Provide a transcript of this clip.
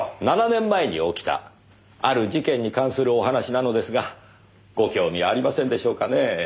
７年前に起きたある事件に関するお話なのですがご興味ありませんでしょうかねえ？